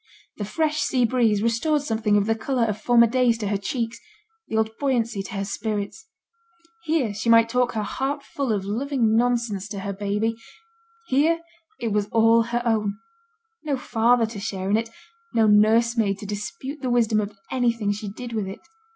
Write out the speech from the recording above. The fresh sea breeze restored something of the colour of former days to her cheeks, the old buoyancy to her spirits; here she might talk her heart full of loving nonsense to her baby; here it was all her own; no father to share in it, no nursemaid to dispute the wisdom of anything she did with it.